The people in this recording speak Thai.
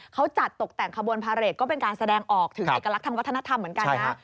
เขาจัดตกแต่งขบวนพาเรทก็เป็นการแสดงออกถึงเอกลักษณ์ทางวัฒนธรรมเหมือนกันนะ